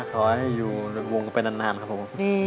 ขอให้อยู่ในวงกันไปนานครับผม